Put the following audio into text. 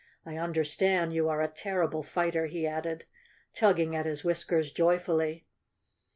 I understand you are a terrible fighter," he added, tugging at his whiskers joyfully.